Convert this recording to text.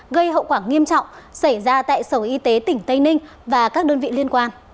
gây hậu quả nghiêm trọng xảy ra tại sở y tế tỉnh tây ninh và các đơn vị liên quan